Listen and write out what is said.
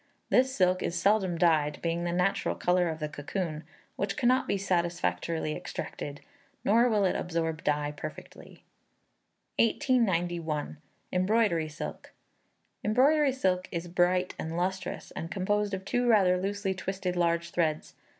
This silk is seldom dyed, being the natural colour of the cocoon, which cannot be satisfactorily extracted; nor will it absorb dye perfectly. 1891. Embroidery Silk. Embroidery silk is bright and lustrous, and composed of two rather loosely twisted large threads.